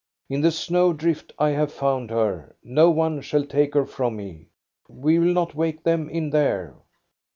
In the snow drift I have found her ; no one shall take her from me. We will not wake them in there.